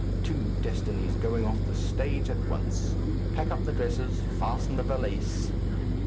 Two destinies going off the stage at once. Pack up the dresses. Fasten the valise.